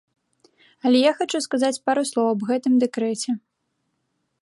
Але я хачу сказаць пару слоў аб гэтым дэкрэце.